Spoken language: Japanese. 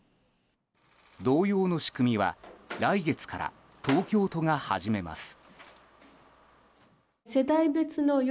同様の仕組みは来月から東京都が始めます。